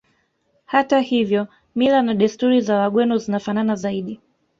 Hata hivyo mila na desturi za Wagweno zinafanana zaidi